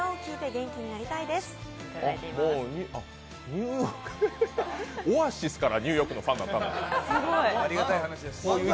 ニューヨーク、Ｏａｓｉｓからニューヨークのファンになったんや。